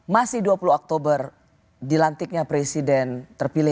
masih dua puluh oktober dilantiknya presiden terpilih